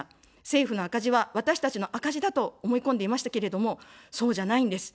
政府の赤字は私たちの赤字だと思い込んでいましたけれども、そうじゃないんです。